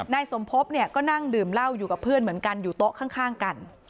นายสมภพเนี่ยก็นั่งดื่มเหล้าอยู่กับเพื่อนเหมือนกันอยู่โต๊ะข้างกัน